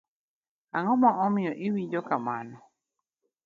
Ang'o momiyo iwinjo kamano?